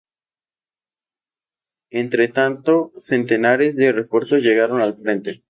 Entretanto, centenares de refuerzos llegaron al frente.